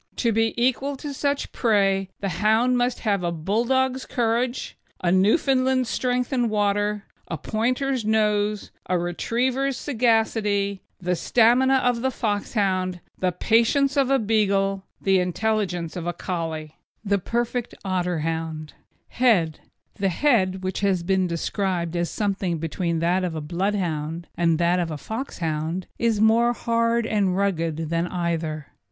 To be equal to such prey, the hound must have a Bulldog's courage, a Newfoundland's strength in water, a Pointer's nose, a Retriever's sagacity, the stamina of the Foxhound, the patience of a Beagle, the intelligence of a Collie. THE PERFECT OTTERHOUND: HEAD The head, which has been described as something between that of a Bloodhound and that of a Foxhound, is more hard and rugged than either.